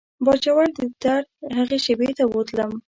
باجوړ د درد هغې شېبې ته بوتلم.